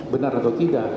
benar atau tidak